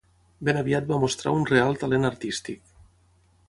Ben aviat va mostrar un real talent artístic.